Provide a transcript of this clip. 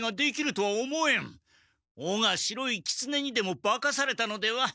おが白いキツネにでもばかされたのでは？